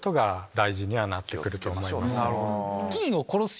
大事にはなってくると思います。